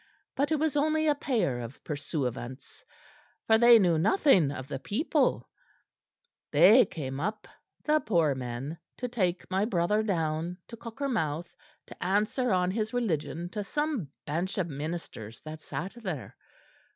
But it was only a pair of pursuivants, for they knew nothing of the people; they came up, the poor men, to take my brother down to Cockermouth to answer on his religion to some bench of ministers that sat there.